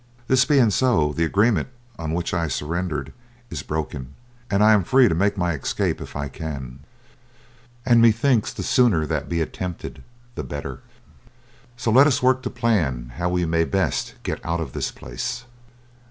This being so, the agreement on which I surrendered is broken, and I am free to make my escape if I can, and methinks the sooner that be attempted the better. "So let us work to plan how we may best get out of this place.